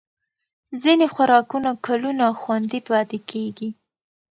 ځینې خوراکونه کلونه خوندي پاتې کېږي.